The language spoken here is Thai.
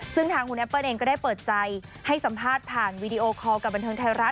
ซึ่งทางคุณแอปเปิ้ลเองก็ได้เปิดใจให้สัมภาษณ์ผ่านวีดีโอคอลกับบันเทิงไทยรัฐ